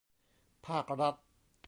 ภาครัฐ